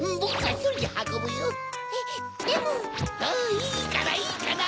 いいからいいから。